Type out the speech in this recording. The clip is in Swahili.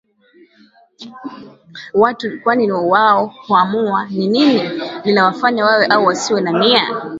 Watu kwani wao huamua ni nini linawafanya wawe au wasiwe na nia